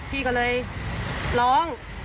พี่ก็เลยร้อง